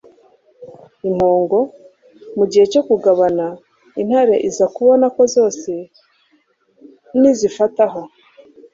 impongo. mu gihe cyo kugabana, intare iza kubona ko zose nizifataho